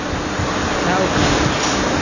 تا ئەو کات.